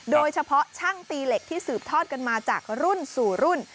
โดยเฉพาะช่างตีเหล็กที่สืบทอดกันมาจากรุ่นสู่รุ่น